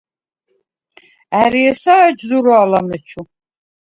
ა̈რი ესა̄ ეჯ ზურა̄ლ ამეჩუ?